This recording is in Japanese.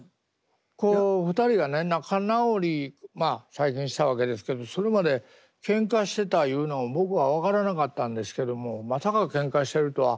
最近したわけですけどそれまでけんかしてたいうの僕は分からなかったんですけどもまさかけんかしてるとは。